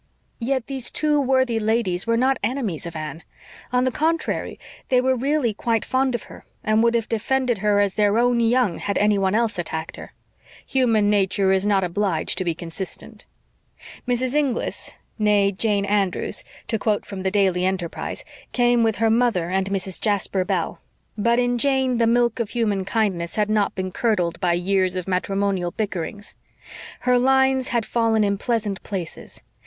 Yet these two worthy ladies were not enemies of Anne; on the contrary, they were really quite fond of her, and would have defended her as their own young had anyone else attacked her. Human nature is not obliged to be consistent. Mrs. Inglis nee Jane Andrews, to quote from the Daily Enterprise came with her mother and Mrs. Jasper Bell. But in Jane the milk of human kindness had not been curdled by years of matrimonial bickerings. Her lines had fallen in pleasant places.